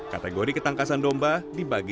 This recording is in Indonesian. kategori ketangkasan domba dibatalkan